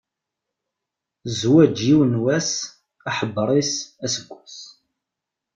Zzwaǧ yiwen wass, aḥebbeṛ-is aseggas.